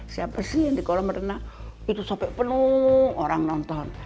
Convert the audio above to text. siapa sih yang di kolam renang itu sopek penuh orang nonton